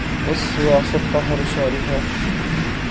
اس ریاست کا ہر شہری ہے